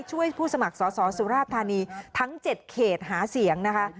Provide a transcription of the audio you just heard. ผู้สมัครสอสอสุราธานีทั้ง๗เขตหาเสียงนะคะ